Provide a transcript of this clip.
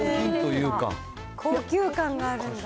高級感があるんだ。